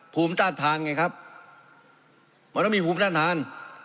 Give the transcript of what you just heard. ภูมิต้านทานไงครับมันต้องมีภูมิต้านทาน